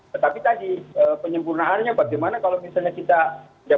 tetapi tadi penyempurnaannya bagaimana kalau misalnya kita tidak